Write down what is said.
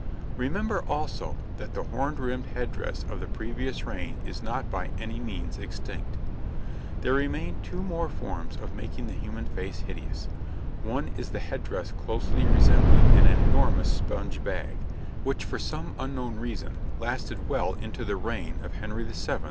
Remember, also, that the horned head dress of the previous reign is not by any means extinct. [Illustration: {A woman of the time of Edward IV.}] There remain two more forms of making the human face hideous: one is the head dress closely resembling an enormous sponge bag, which for some unknown reason lasted well into the reign of Henry VII.